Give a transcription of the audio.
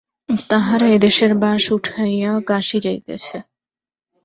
তাহারা এদেশের বাস উঠাইয়া কাশী যাইতেছে।